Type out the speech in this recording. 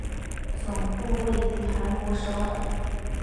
总部位于韩国首尔。